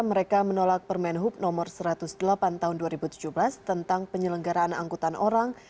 mereka menolak permen hub no satu ratus delapan tahun dua ribu tujuh belas tentang penyelenggaraan angkutan orang